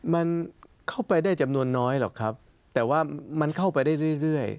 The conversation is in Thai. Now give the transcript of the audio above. มันเข้าไปได้จำนวนน้อยหรอกครับแต่ว่ามันเข้าไปได้เรื่อย